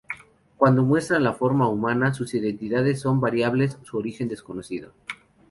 Cuando muestran la forma humana, sus identidades son variables, su origen desconocido.